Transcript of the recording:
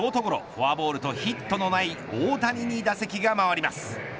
フォアボールとヒットのない大谷に打席が回ります。